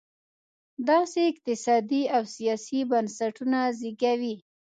داسې اقتصادي او سیاسي بنسټونه زېږوي.